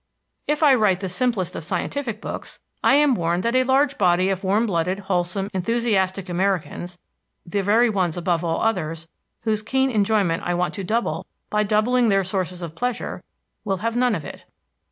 If I write the simplest of scientific books, I am warned that a large body of warm blooded, wholesome, enthusiastic Americans, the very ones above all others whose keen enjoyment I want to double by doubling their sources of pleasure, will have none of it.